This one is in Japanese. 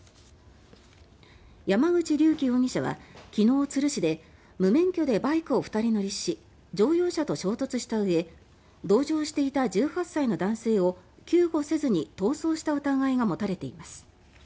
山口竜己容疑者は昨日、都留市で無免許でバイクを２人乗りし乗用車と衝突したうえ同乗していた１８歳の男性を救護せずに逃走した疑いが持たれています。